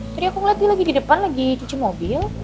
tadi aku ngeliat dia lagi di depan lagi cuci mobil